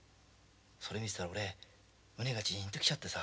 それ見てたら俺胸がジーンと来ちゃってさ。